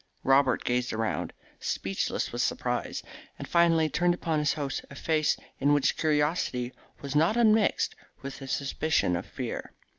Robert gazed around, speechless with surprise, and finally turned upon his host a face in which curiosity was not un mixed with a suspicion of fear.